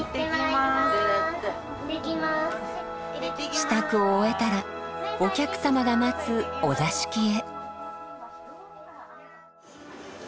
支度を終えたらお客様が待つお座敷へ。